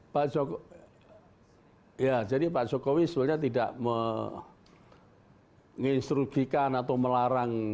pak jokowi ya jadi pak jokowi sebenarnya tidak menginstruksikan atau melarang